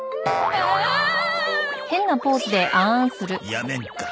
やめんか。